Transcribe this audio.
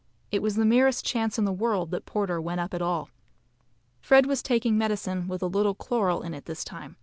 It was the merest chance in the world that Porter went up at all. Fred was taking medicine with a little chloral in it at this time.